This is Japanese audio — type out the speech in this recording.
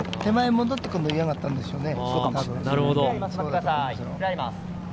戻ってくるのを嫌がったのでしょうね。